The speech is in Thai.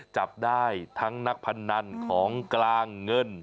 จับได้ทั้งนักพนันของกลางเงิน